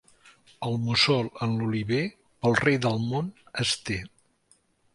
El mussol en l'oliver pel rei del món es té.